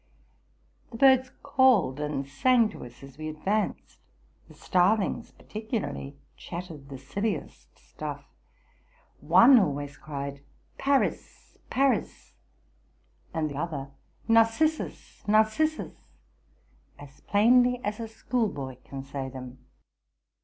The birds called and sang to us as we advanced: the starlings, particularly, chattered the silliest stuff. One always cried, '' Paris, Paris!'' and the other, '* Narcissus, Narcissus!' as plainly as a schoolboy can say them.